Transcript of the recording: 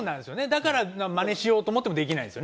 だからマネしようと思ってもできないんですよね